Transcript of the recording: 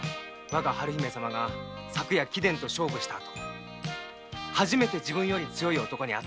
春姫様が昨夜貴殿と勝負したあと初めて自分より強い男に会った。